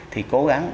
thì cố gắng